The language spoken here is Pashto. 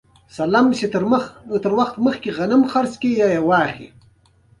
آیا نستعلیق د دوی ښکلی خط نه دی؟